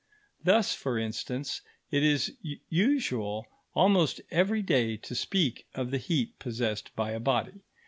Thus, for instance, it is usual almost every day to speak of the heat possessed by a body.